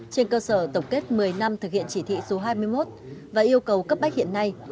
trên cơ sở tổng kết một mươi năm thực hiện chỉ thị số hai mươi một và yêu cầu cấp bách hiện nay